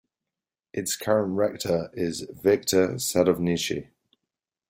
Its current rector is Viktor Sadovnichiy.